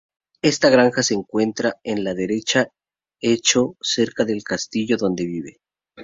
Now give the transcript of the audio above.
Esta granja se encuentra en la derecha hecho cerca del castillo, donde vive.